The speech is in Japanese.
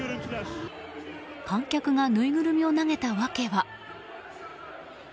観客がぬいぐるみを投げた訳は？